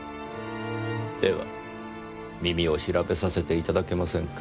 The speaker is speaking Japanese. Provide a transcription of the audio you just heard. では耳を調べさせていただけませんか。